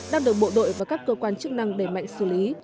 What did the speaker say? đang được bộ đội và các cơ quan chức năng đẩy mạnh xử lý